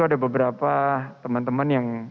ada beberapa teman teman yang